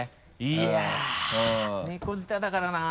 いやっ猫舌だからな。